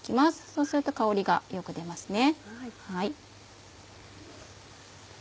そうすると香りがよく出ますね。